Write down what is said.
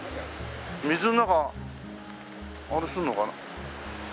水の中あれするのかな？